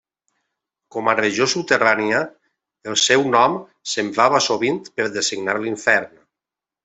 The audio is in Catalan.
Com a regió subterrània, el seu nom s'emprava sovint per designar l'infern.